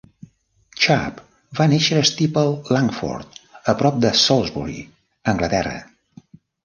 Chubb va néixer a Steeple Langford a prop de Salisbury, Anglaterra.